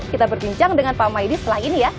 kita berbincang dengan pak maidi setelah ini ya